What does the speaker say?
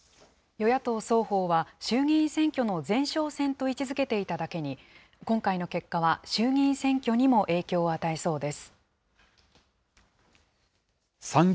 与野党双方は、衆議院選挙の前哨戦と位置づけていただけに、今回の結果は衆議院選挙にも影響を与えそうです。